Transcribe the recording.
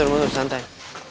mundur mundur santai